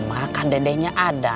makan dedenya ada